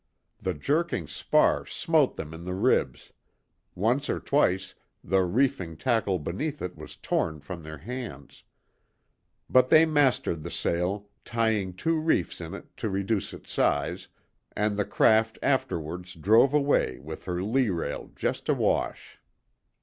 The jerking spar smote them in the ribs; once or twice the reefing tackle beneath it was torn from their hands; but they mastered the sail, tying two reefs in it, to reduce its size, and the craft afterwards drove away with her lee rail just awash.